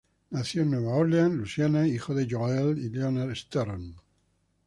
Nació en Nueva Orleans, Luisiana, hijo de Joel y Leonard Stern.